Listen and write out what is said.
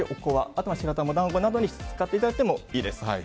あとは白玉団子などに使っていただいてもいいです。